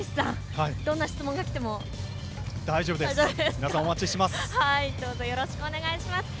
どんな質問がきても大丈夫ですか。